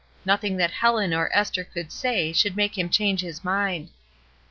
Nothing that Helen or Esther could say should make him change his mind.